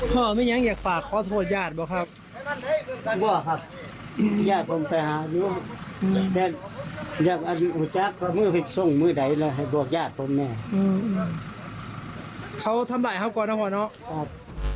เขาทำร้ายครับกว่าน้องครับ